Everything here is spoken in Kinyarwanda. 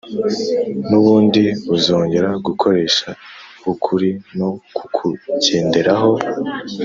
n’ubundi uzongera Gukoresha ukuri no kukugenderaho